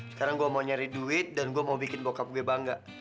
sekarang gue mau nyari duit dan gue mau bikin bokap gue bangga